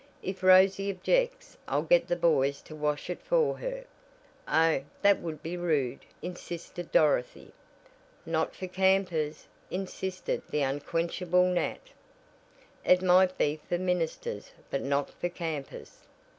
If Rosy objects I'll get the boys to wash it for her." "Oh, that would be rude," insisted Dorothy. "Not for campers," insisted the unquenchable Nat, "It might be for ministers, but not for campers."